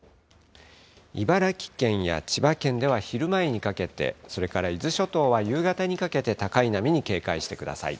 茨城県や千葉県では昼前にかけて、それから伊豆諸島は夕方にかけて高い波に警戒してください。